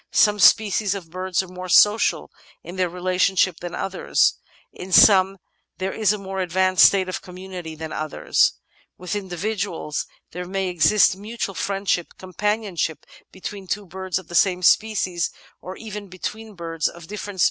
Some species of birds are more social in their relationship than others ; in some there is a more advanced state of community than others. With individuals there may exist mutual friendship ; companionship between two birds of the same species, or even between birds of diflFerent species, is often seen.